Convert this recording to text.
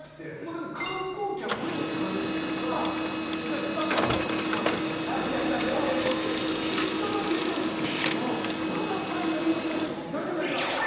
でも観光客の感じとか実際スタバも島根が先で来てるわけですから結果が出てんのにまだファイティングポーズとって来る。